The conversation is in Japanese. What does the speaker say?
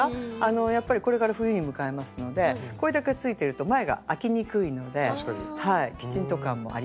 やっぱりこれから冬に向かいますのでこれだけついてると前があきにくいのできちんと感もありますね。